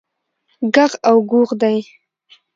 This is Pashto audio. ږغ او ږوغ دی.